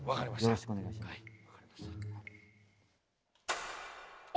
よろしくお願いします。